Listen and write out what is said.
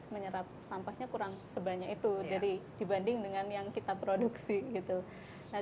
menyerap sampahnya kurang sebanyak itu jadi dibanding dengan yang kita produksi gitu nah